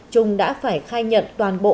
trung đã phải khai nhận toàn bộ